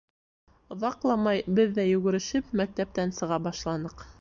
Оҙаҡламай беҙ ҙә йүгерешеп мәктәптән сыға башланыҡ.